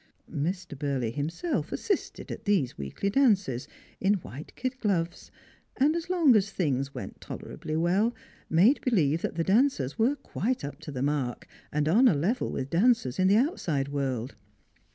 Mr. Burley himself assisted at these weekly dances, in white kid gloves, and, as long as things went tolerably well, made believe that the dancers were quite up to the mark, and on a level with dancers in the outside world.